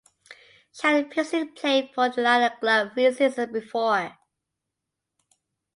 She had previously played for the latter club three seasons before.